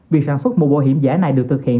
việc sản xuất mũ bảo hiểm giả này được thực hiện